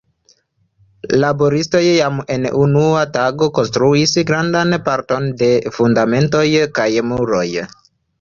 Laboristoj jam en unua tago konstruis grandan parton de fundamentoj kaj muroj.